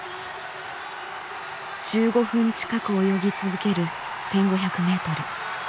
１５分近く泳ぎ続ける１５００ｍ。